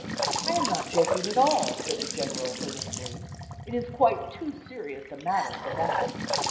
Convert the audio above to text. "I am not joking at all," said the General, earnestly, "it is quite too serious a matter for that."